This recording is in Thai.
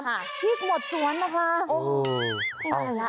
พริกหมดสวนนะคะ